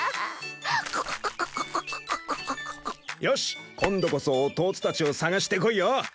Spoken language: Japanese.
よし今度こそ弟たちを捜してこいよ！